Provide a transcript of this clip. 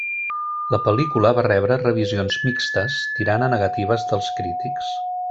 La pel·lícula va rebre revisions mixtes, tirant a negatives dels crítics.